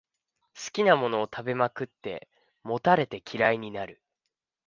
好きなものを食べまくって、もたれて嫌いになる